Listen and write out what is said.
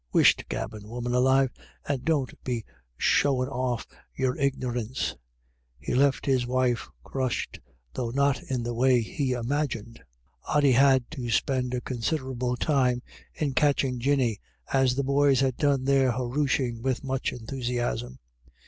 Whisht gabbin', woman alive,, and don't be showin' off your 124 IRISH IDYLLS. ignorince. M He left his wife crushed, though not in the way he imagined. Ody had to spend a considerable time in catching Jinny, as the boys had done their huroooshing with much enthusiasm.